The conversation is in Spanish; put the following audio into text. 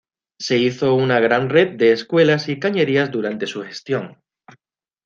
Se hizo una gran red de escuelas y cañerías durante su gestión.